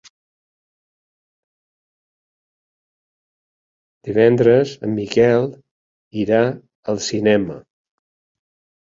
Divendres en Miquel irà al cinema.